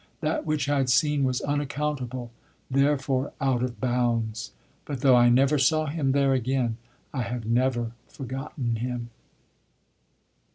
That which I had seen was unaccountable, therefore out of bounds. But though I never saw him there again I have never forgotten him.